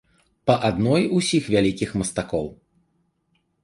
Па адной усіх вялікіх мастакоў.